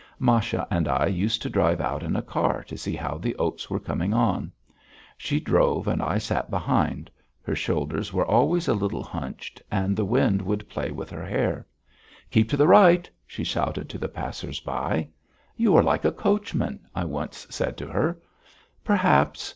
Masha and I used to drive out in a car to see how the oats were coming on. She drove and I sat behind; her shoulders were always a little hunched, and the wind would play with her hair. "Keep to the right!" she shouted to the passers by. "You are like a coachman!" I once said to her. "Perhaps.